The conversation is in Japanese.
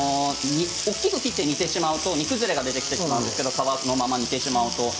大きく切って煮てしまうと煮崩れが出てきてしまうんですけど、皮のまま煮てしまうと。